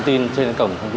chính xác rồi chị ạ